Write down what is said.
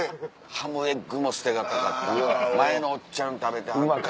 ハムエッグも捨て難かった前のおっちゃん食べてはって。